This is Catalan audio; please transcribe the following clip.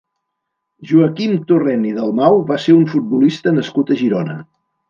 Joaquim Torrent i Dalmau va ser un futbolista nascut a Girona.